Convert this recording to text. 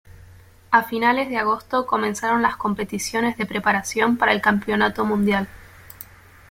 A finales de agosto comenzaron las competiciones de preparación para el Campeonato Mundial.